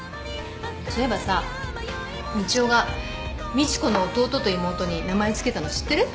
そういえばさみちおがみちこの弟と妹に名前付けたの知ってる？